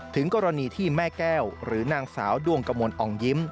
ถึงกรณีที่แม่แก้วหรือนางสาวดวงกระมวลอ่องยิ้ม